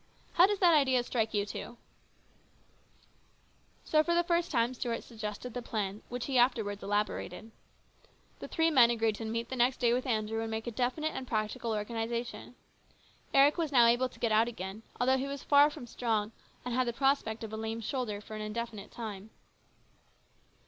How does that idea strike you two ?" So for the first time Stuart suggested the plan which he afterwards elaborated. The three men agreed to meet the next day with Andrew and make a definite and practical organisation. Eric was now able to get out again, although he was far from strong and had the prospect of a lame shoulder for an indefinite time.